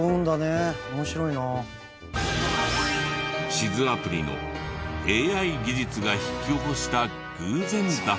地図アプリのＡＩ技術が引き起こした偶然だった。